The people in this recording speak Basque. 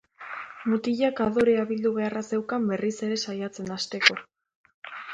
Mutilak adorea bildu beharra zeukan berriz ere saiatzen hasteko.